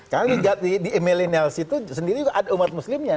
karena di milenial situ sendiri juga ada umat muslimnya